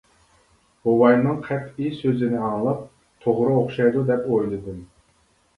بوۋاينىڭ قەتئىي سۆزىنى ئاڭلاپ توغرا ئوخشايدۇ دەپ ئويلىدىم.